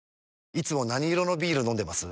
いつも何色のビール飲んでます？